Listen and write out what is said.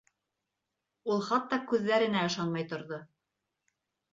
Ул хатта күҙҙәренә ышанмай торҙо.